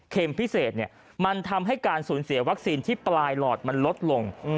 พิเศษมันทำให้การสูญเสียวัคซีนที่ปลายหลอดมันลดลง